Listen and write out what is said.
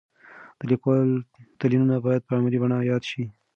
د لیکوالو تلینونه باید په علمي بڼه یاد شي.